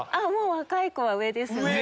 若い子は上ですね。